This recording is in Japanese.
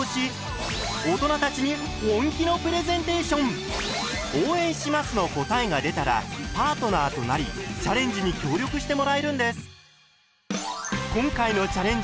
番組では「応援します」の答えが出たらパートナーとなりチャレンジに協力してもらえるんです。